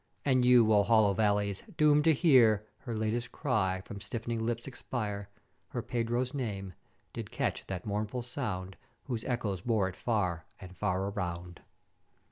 And you, O hollow Valleys! doomed to hear her latest cry from stiffening lips expire her Pedro's name, did catch that mournful sound, whose echoes bore it far and far around!